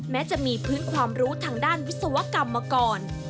แม้จะมีพื้นความรู้ทางด้านวิศวกรรมมาก่อน